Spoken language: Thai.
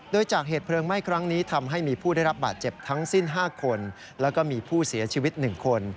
โดยจากเหตุเพลิงไหม้ครั้งนี้ทำให้มีผู้ได้รับบาดเจ็บทั้งสิ้น๕คนแล้วก็มีผู้เสียชีวิต๑คน